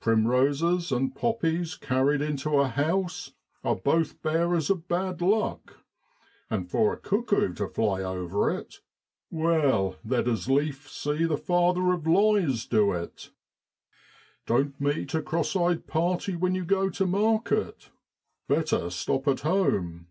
Prim roses and poppies carried into a house are both bearers of bad luck, and for a cuckoo to fly over it, well, they'd as lief see the father of lies do it. Don't meet a cross eyed party when you go to market; better stop at home.